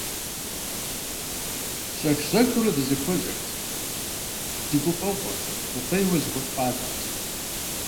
Щӏэх-щӏэхыурэ дызэхуэзэрт, ди гуфӀэгъуэ, гукъеуэ зэхуэтӀуатэрт.